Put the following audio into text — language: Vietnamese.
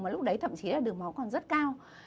mà lúc đấy thậm chí là đường máu còn rất cao